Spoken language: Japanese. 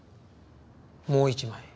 もう１枚。